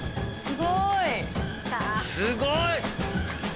すごい！